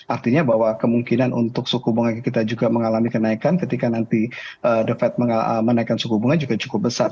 artinya bahwa kemungkinan untuk suku bunga kita juga mengalami kenaikan ketika nanti the fed menaikkan suku bunga juga cukup besar